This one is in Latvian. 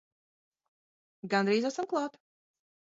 Gandrīz esam klāt!